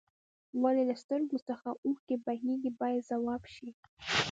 ولې له سترګو څخه اوښکې بهیږي باید ځواب شي.